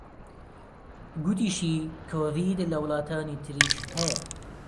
گوتیشی کۆڤید لە وڵاتانی تریش هەیە